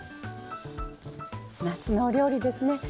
夏のお料理ですね。